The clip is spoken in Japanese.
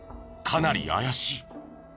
かなり怪しい。